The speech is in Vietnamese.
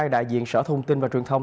đại diện sở thông tin và truyền thông